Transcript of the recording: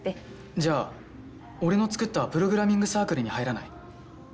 じゃあ俺の作ったプログラミングサークルに入らない？